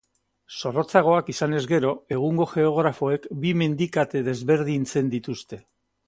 Zorrotzagoak izanez gero, egungo geografoek bi mendikate desberdintzen dituzte.